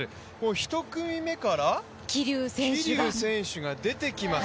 １組目から、桐生選手が出てきます。